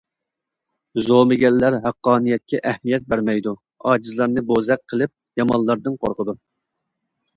زومىگەرلەر ھەققانىيەتكە ئەھمىيەت بەرمەيدۇ، ئاجىزلارنى بوزەك قىلىپ، يامانلاردىن قورقىدۇ.